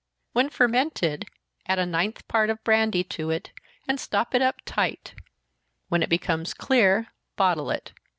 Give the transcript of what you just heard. When fermented, add a ninth part of brandy to it, and stop it up tight when it becomes clear, bottle it.